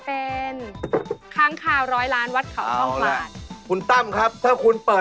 ปลายลายเป็น